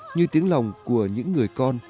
như tiếng lòng của những người con